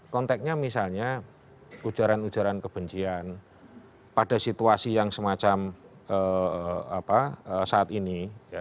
konteknya misalnya ujaran ujaran kebencian pada situasi yang semacam saat ini